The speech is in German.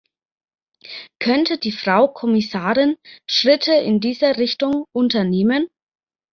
Könnte die Frau Kommissarin Schritte in dieser Richtung unternehmen?